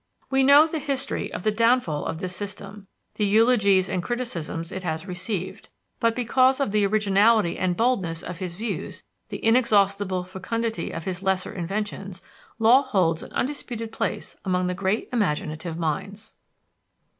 We know the history of the downfall of this system, the eulogies and criticisms it has received: but because of the originality and boldness of his views, the inexhaustible fecundity of his lesser inventions, Law holds an undisputed place among the great imaginative minds.